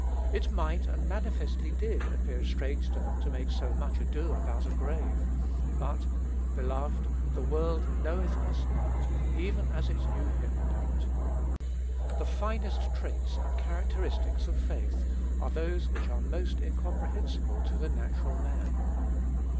It might, and manifestly did, appear strange to them to make so much ado about a grave; but, "beloved, the world knoweth us not, even as it knew him not." The finest traits and characteristics of faith are those which are most incomprehensible to the natural man.